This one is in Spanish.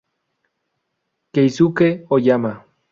Keisuke Oyama